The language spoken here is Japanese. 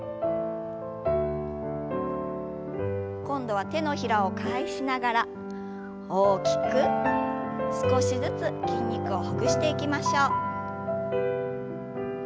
今度は手のひらを返しながら大きく少しずつ筋肉をほぐしていきましょう。